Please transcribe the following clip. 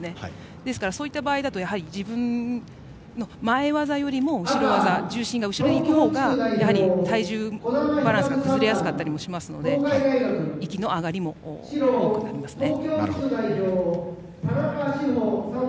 ですから、そういった場合ですと前の技よりも後ろ技、重心が後ろへいくほうが体重バランスが崩れやすかったりもするので息の上がりも多くなりますね。